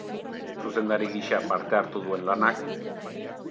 Zuzendari gisa parte hartu duen lanak.